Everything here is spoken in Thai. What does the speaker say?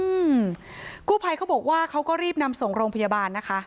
อืมกู้ภัยเขาบอกว่าเขาก็รีบนำส่งโรงพยาบาลนะคะ